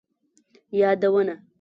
یادونه